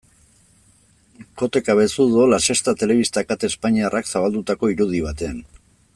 Kote Cabezudo, La Sexta telebista kate espainiarrak zabaldutako irudi batean.